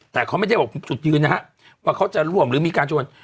แต่เขาไม่ได้บอกจุดยืนนะฮะว่าเขาจะร่วมหรือมีการชวน